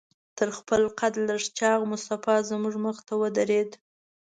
تر خپل قد لږ چاغ مصطفی زموږ مخې ته ودرېد.